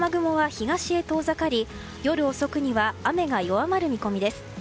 東へ遠ざかり夜遅くには雨が弱まる見込みです。